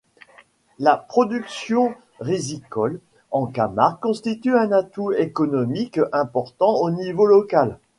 La production rizicole en Camargue constitue un atout économique important au niveau local.